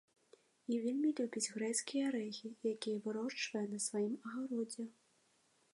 І вельмі любіць грэцкія арэхі, якія вырошчвае на сваім агародзе.